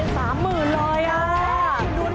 ถ้าได้นะถ้าได้นะอีกเท่าตัวนะ